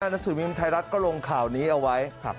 นักศึกมิมทรัฐก็ลงข่าวนี้เอาไว้